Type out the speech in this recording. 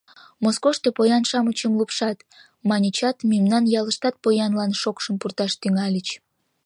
Москошто поян-шамычым лупшат, маньычат, мемнан ялыштат поянлан шокшым пурташ тӱҥальыч.